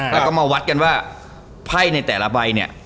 แล้วก็มาวัดกันว่าไพ่ในแต่ละใบเนี่ย